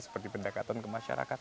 seperti pendekatan ke masyarakat